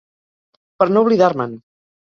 Per no oblidar-me'n!